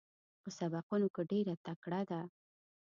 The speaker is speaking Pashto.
په سبقونو کې ډېره تکړه ده.